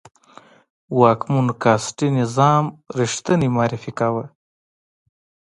واکمنو کاسټي نظام ریښتنی معرفي کاوه.